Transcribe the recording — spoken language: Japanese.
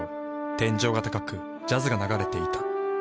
天井が高くジャズが流れていた。